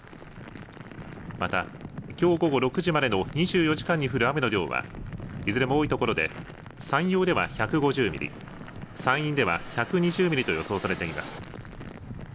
また、きょう午後６時までの２４時間に降る雨の量はいずれも多いところで山陽では１５０ミリ山陰では１２０ミリと予想されています。